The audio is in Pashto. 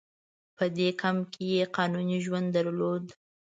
په دې کمپ کې یې قانوني ژوند درلود.